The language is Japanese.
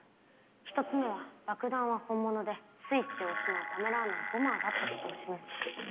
１つ目は爆弾は本物でスイッチを押すのをためらわないボマーだってことを示すため。